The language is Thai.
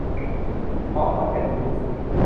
ส ขอนแก่นฟู้ดส์